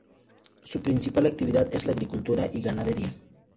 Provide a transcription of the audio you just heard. Su principal actividad es la agricultura y ganadería.